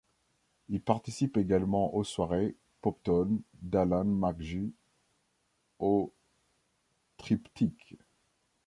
Ils participent également aux soirées Poptones d’Alan McGee, au Triptyque.